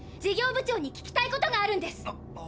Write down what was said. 事業部長に聞きたいことがあるんです。